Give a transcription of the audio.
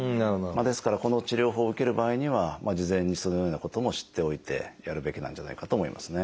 ですからこの治療法を受ける場合には事前にそのようなことも知っておいてやるべきなんじゃないかと思いますね。